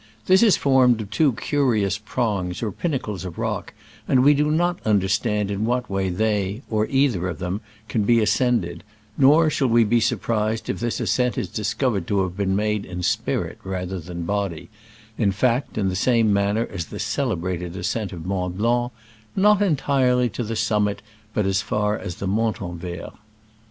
This is formed of two curious prongs or pinnacles of rock, and we do not understand in what way they (or either of them) can be ascended; nor shall we be surprised if this ascent is discovered to have been made in spirit rather than body — in fact, in the same manner as the celebrated ascent of Mont Blanc, " not entirely to the sum mit, but as far as the Montanvert